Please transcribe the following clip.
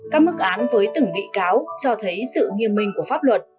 các mức án với từng bị cáo cho thấy sự nghiêm minh của pháp luật